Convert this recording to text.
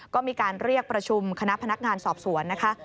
ก็มีการเรียกประชุมคณะพนักงานสอบสวนนะคะ